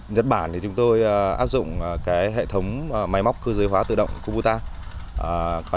nhật bản chúng tôi áp dụng hệ thống máy móc cơ giới hóa tự động cobota